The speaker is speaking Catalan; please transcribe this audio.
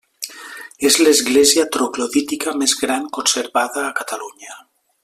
És l'església troglodítica més gran conservada a Catalunya.